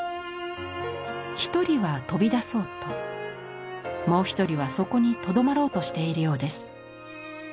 一人は飛び出そうともう一人はそこにとどまろうとしているようです。